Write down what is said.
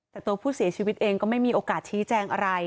แต่ตัวผู้เสียชีวิตเองก็ไม่มีโอกาสชี้แจงอะไร